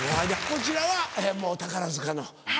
こちらはもう宝塚の。